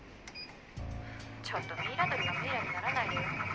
はぁちょっとミイラ取りがミイラにならないでよ。